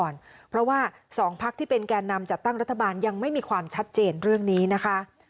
อย่างยังไม่มีความชัดเจนเรื่องนี้นะคะ